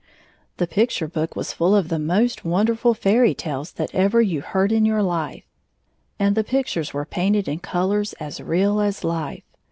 The picture 8i book was ftdl of the most wonderftd fairy tales that ever you heard in your life, and the pict ures were painted in colors as real as life.